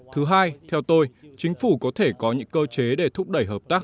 thứ hai theo tôi chính phủ có thể có những cơ chế để thúc đẩy hợp tác